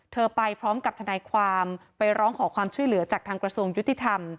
ไปพร้อมกับทนายความไปร้องขอความช่วยเหลือจากทางกระทรวงยุติธรรม